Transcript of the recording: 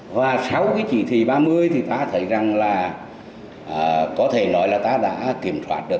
và sau cái chỉ thị ba mươi thì ta thấy rằng là có thể nói là ta đã kiểm soát được